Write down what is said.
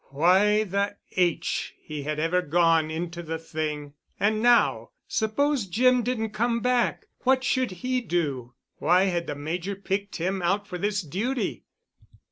Why the H—— he had ever gone into the thing ... And now ... suppose Jim didn't come back! What should he do? Why had the Major picked him out for this duty!